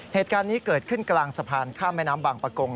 เหตุการณ์นี้เกิดขึ้นกลางสะพานข้ามแม่น้ำบางประกง